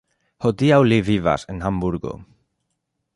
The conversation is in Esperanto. Hodiaŭ li vivas en Hamburgo.